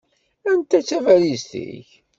Anta i d tabalizt-ik?